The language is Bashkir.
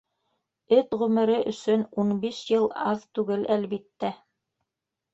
Эт ғүмере өсөн ун биш йыл аҙ түгел, әлбиттә.